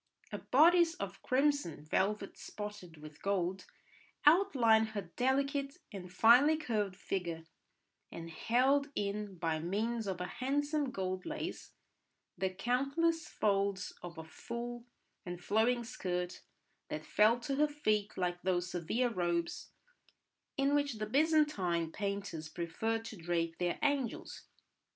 A bodice of crimson velvet spotted with gold outlined her delicate and finely curved figure, and held in by means of a handsome gold lace the countless folds of a full and flowing skirt, that fell to her feet like those severe robes in which the Byzantine painters preferred to drape their angels.